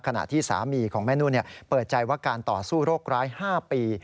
ขณะที่สามีของแม่นุ่นเปิดใจว่าการต่อสู้โรคร้าย๕ปี